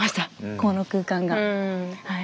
この空間がはい。